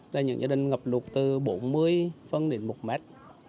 là những gia đình ngập lụt từ bốn mươi phân đến một mét